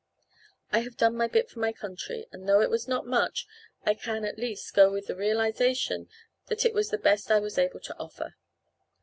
I have done my bit for my country, and though it was not much I can at least go with the realization that it was the best I was able to offer.